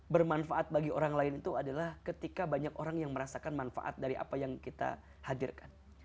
bermanfaat bagi orang lain itu adalah ketika banyak orang yang merasakan manfaat dari apa yang kita hadirkan